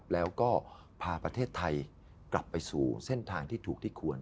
แล้วก็พาประเทศไทยกลับไปสู่เส้นทางที่ถูกที่ควร